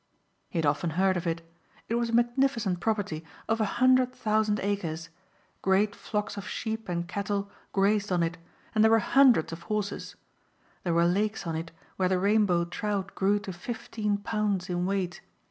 He had often heard of it. It was a magnificent property of a hundred thousand acres. Great flocks of sheep and cattle grazed on it and there were hundreds of horses. There were lakes on it where the rainbow trout grew to fifteen pounds in weight.